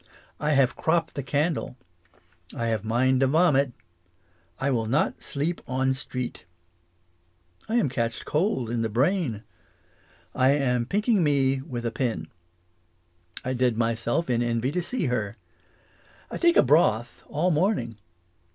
I have croped the candle. I have mind to vomit. I will not to sleep on street. 20 English as she is spoke. I am catched cold in the brain. I am pinking me with a pin. I dead myself in envy to see her. I take a broth all morning.